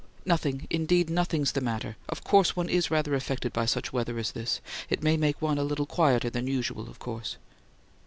"Nothing. Indeed nothing's the matter. Of course one IS rather affected by such weather as this. It may make one a little quieter than usual, of course."